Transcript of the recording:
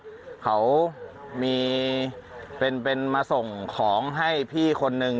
เขาก็บอกว่าเขามีเป็นมาส่งของให้พี่คนนึง